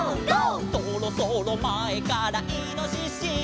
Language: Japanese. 「そろそろ前からイノシシ」